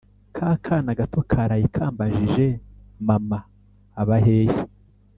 Kakana gato karaye kambajije mama aba hehe?